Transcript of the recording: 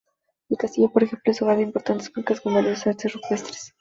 El Castillo, por ejemplo, es hogar de importantes cuevas con valioso arte rupestre.